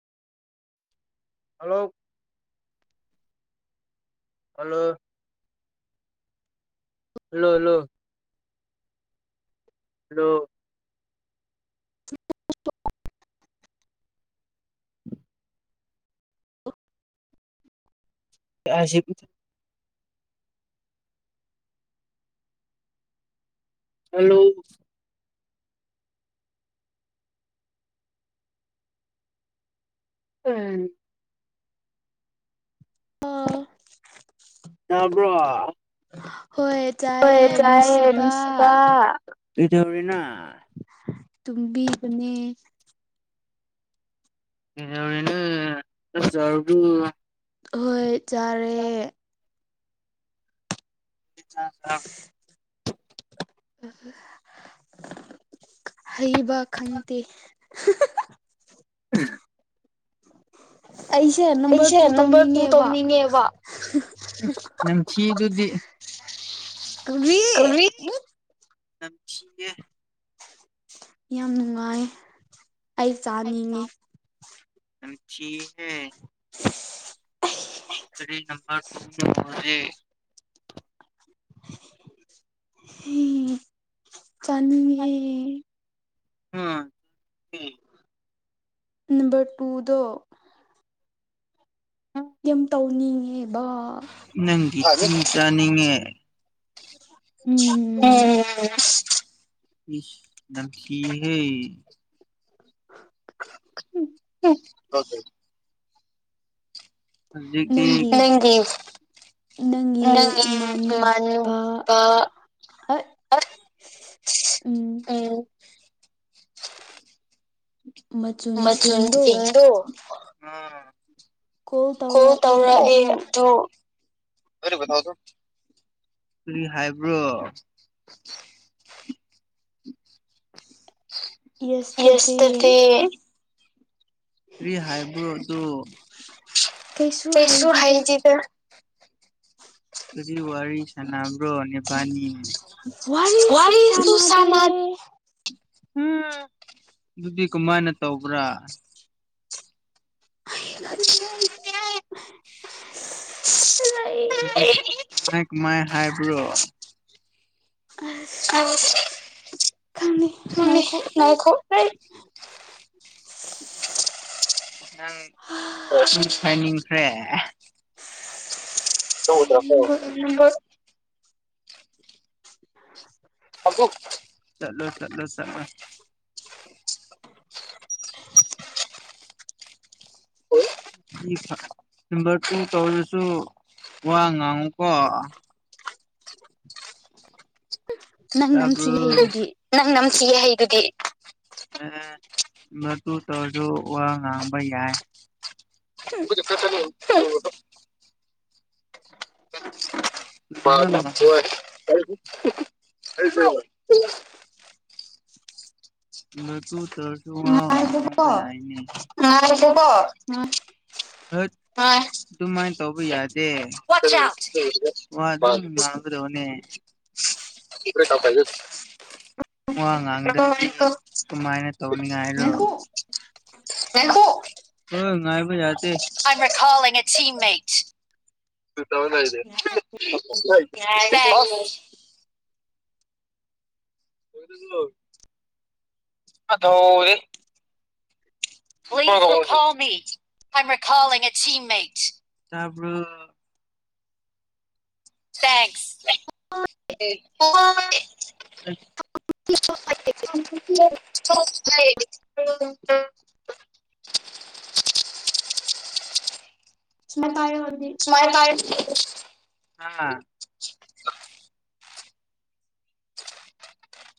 hello hello ꯂꯣ ꯂꯣ hello ꯑꯁꯤꯕꯨ ꯍꯜꯂꯣ ꯎꯝ ꯇꯥꯕꯔꯣ ꯍꯣꯏ ꯆꯥꯏꯁꯇꯥ ꯀꯩꯗꯧꯔꯤꯅꯣ ꯇꯨꯝꯕꯤꯕꯅꯦ ꯀꯩꯗꯧꯔꯤꯅꯣ ꯆꯥꯛ ꯆꯔꯥꯕꯣ ꯍꯣꯏ ꯆꯥꯔꯦ [inaudible] ꯑ ꯍꯩꯕ ꯈꯪꯇꯤ [inaudible] ꯎꯝ ꯑꯩꯁꯦ ꯅꯝꯕꯔ ꯇꯨ ꯇꯧꯅꯤꯡꯉꯦꯕ ꯅꯝꯊꯤꯗꯨꯗꯤ ꯀꯔꯤ ꯕꯨꯠ ꯅꯝꯊꯤꯌꯦ ꯌꯥꯝ ꯅꯨꯡꯉꯥꯏ ꯑꯩ ꯆꯥꯅꯤꯡꯉꯤ ꯔꯤ ꯅꯝꯕꯔ ꯃꯖꯤ ꯍꯝ ꯆꯥꯟ ꯎꯝ ꯍ ꯅꯝꯕꯔ ꯇꯨꯗ ꯀ ꯇꯧꯅꯤꯡꯉꯦꯕ ꯁꯅꯤꯡꯉꯦ ꯎꯝ ꯌꯥꯝ ꯊꯒ [inaudible] ꯅꯪ ꯅꯪ ꯃꯅꯄ ꯑ ꯎꯝ ꯃ ꯆꯨꯟ ꯇꯗꯨ ꯀꯣꯜ ꯇꯧꯔ ꯑꯦꯁꯨ ꯍꯥꯏꯕ꯭ꯔꯣ ꯌꯦꯁꯇꯗꯤ ꯍꯥꯏꯕ꯭ꯔꯣ ꯑꯗꯨ ꯀꯩꯁꯨ ꯍꯥꯏꯁꯤꯗ ꯑꯗꯨ ꯋꯥꯁꯅ꯭ꯔꯣꯅꯤ ꯄꯅꯤ ꯋꯥꯔꯤ ꯇꯨ ꯁꯃ ꯎꯝ ꯑꯗꯨꯗꯤ ꯀꯃꯥꯏꯅ ꯇꯧꯕ꯭ꯔꯥ [inaudible] ꯃꯥꯏ ꯃꯥꯏ ꯍꯥꯏꯕ꯭ꯔꯣ ꯍ ꯃꯅꯦ ꯉꯥꯏ ꯈ ꯅꯪ ꯃꯤꯁꯄꯥꯏꯅꯤꯡꯈ꯭ꯔꯦ ꯆꯗ꯭ꯔꯣ ꯐ [inaudible] [unintelligible] ꯆꯂꯣ ꯆꯂꯣ ꯆꯂꯣ [inaudible] ꯐ ꯅꯝꯕꯔ ꯇꯨ ꯇꯧꯔꯁꯨ ꯋꯥ ꯉꯥꯡꯉꯨꯀꯣ ꯅꯪ ꯅꯝꯁꯤꯒ ꯍꯩꯗꯨꯗꯤ ꯑ ꯅ ꯇꯨ ꯇꯧꯔꯖꯣ ꯋꯥ ꯉꯥꯡꯕ ꯌꯥꯏ ꯐ [inaudible] ꯏ ꯇꯨ ꯇꯁꯨ ꯏ ꯍ ꯑꯗꯨꯃꯥꯏꯅ ꯇꯧꯕ ꯌꯥꯗꯦ ꯋꯥ ꯑꯗꯨ ꯑꯗꯨꯝ ꯃꯥꯡꯒ꯭ꯔꯣꯅꯦ ꯀꯦ ꯊꯥꯎꯄꯥꯏꯗ ꯋꯥ ꯉꯥꯡ ꯀꯃꯥꯏꯅ ꯇꯧꯅꯤꯡꯉꯥꯏꯗ ꯉꯥꯏꯕ ꯌꯥ ꯇꯨ ꯊꯥꯎꯟ ꯍꯥꯏꯗ ꯑꯔꯤ ꯑꯣꯏꯥꯎꯃꯤ ꯍꯥꯏ ꯈ ꯑꯩꯅ ꯁꯤꯃꯦꯟ ꯊꯦꯡꯁ [inaudible] [inaudible] ꯇꯥꯏ ꯁꯨꯃꯥꯏ ꯀꯥꯏ